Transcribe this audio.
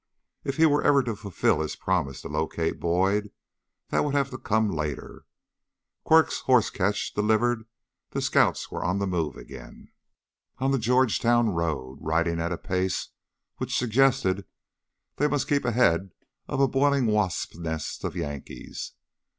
If he were ever to fulfill his promise to locate Boyd, that would have to come later. Quirk's horse catch delivered, the scouts were on the move again, on the Georgetown road, riding at a pace which suggested they must keep ahead of a boiling wasp's nest of Yankees.